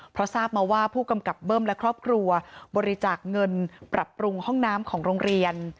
เพราะทราบมาว่าผู้กำกับเบิ้มและครอบครัวบริจาคเงินปรับปรุงห้องน้ำของโรงเรียน